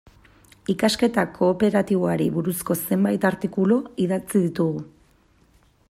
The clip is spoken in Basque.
Ikasketa kooperatiboari buruzko zenbait artikulu idatzi ditugu.